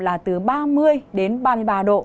là từ ba mươi đến ba mươi ba độ